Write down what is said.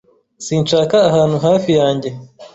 Sinshaka ahantu hafi yanjye.